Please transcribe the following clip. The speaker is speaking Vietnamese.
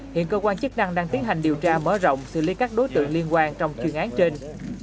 hiện cơ quan chức năng đang tiến hành điều tra mở rộng xử lý các đối tượng liên quan trong chuyên án trên